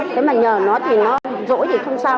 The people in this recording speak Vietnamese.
thế mà nhờ nó thì nó rỗi thì không sao